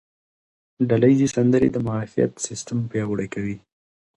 ډله ییزې سندرې د معافیت سیستم پیاوړی کوي.